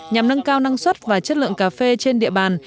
nhằm nâng cao năng suất và chất lượng cà phê trên địa bàn